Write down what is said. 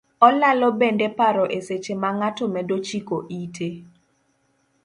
Olalo bende paro e seche ma ng'ato medo chiko ite.